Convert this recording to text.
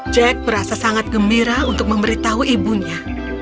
jack merasa sangat gembira untuk memberitahu ibunya